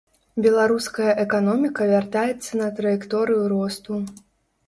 Беларуская эканоміка вяртаецца на траекторыю росту.